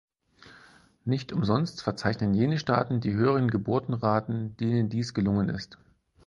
Nicht umsonst verzeichnen jene Staaten die höheren Geburtenraten, denen dies gelungen ist.